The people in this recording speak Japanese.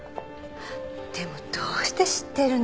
でもどうして知ってるの？